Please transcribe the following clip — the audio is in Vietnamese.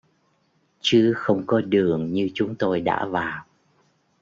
Chứ không có đường như chúng tôi đã vào